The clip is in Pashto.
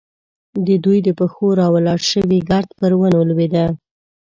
د دوی د پښو راولاړ شوی ګرد پر ونو لوېده.